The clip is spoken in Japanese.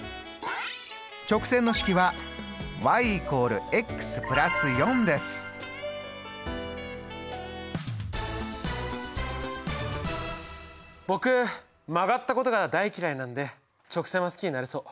直線の式は僕曲がったことが大嫌いなんで直線は好きになれそう。